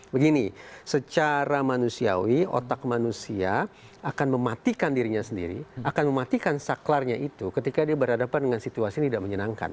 begini secara manusiawi otak manusia akan mematikan dirinya sendiri akan mematikan saklarnya itu ketika dia berhadapan dengan situasi yang tidak menyenangkan